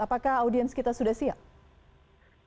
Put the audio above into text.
apakah audiens kita sudah siap